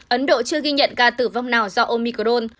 ấn độ chưa ghi nhận ca tử vong nào do omicron